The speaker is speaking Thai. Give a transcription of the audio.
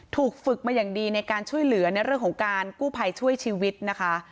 ฝึกมาอย่างดีในการช่วยเหลือในเรื่องของการกู้ภัยช่วยชีวิตนะคะ